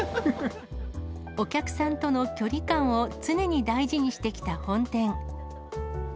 お客さんとの距離感を、常に大事にしてきた本店。